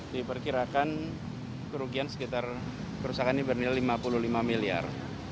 diperkirakan kerugian sekitar kerusakan ini bernilai lima puluh lima miliar